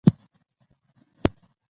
باسواده میندې د پاک چاپیریال پلوي دي.